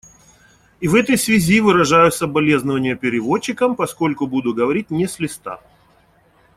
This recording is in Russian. И в этой связи выражаю соболезнование переводчикам, поскольку буду говорить не с листа.